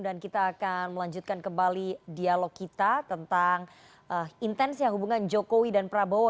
dan kita akan melanjutkan kembali dialog kita tentang intensi hubungan jokowi dan prabowo